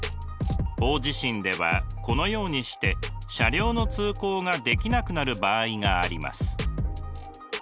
大地震ではこのようにして車両の通行ができなくなる場合があります。